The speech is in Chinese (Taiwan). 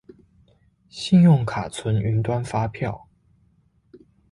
信用卡存雲端發票